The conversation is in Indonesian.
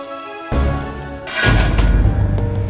ga mungkin aku memilih salah satunya